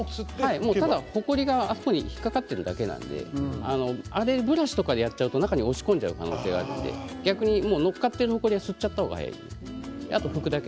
ただほこりがあそこに引っ掛かっているだけなのでブラシとかでやってしまうと中に押し込んでしまう可能性があるので載っかっているほこりは吸っちゃった方が早いです。